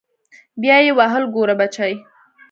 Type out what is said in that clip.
بيا يې وويل ګوره بچى.